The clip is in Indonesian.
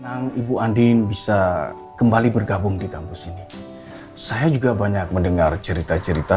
senang ibu andin bisa kembali bergabung di kampus ini saya juga banyak mendengar cerita cerita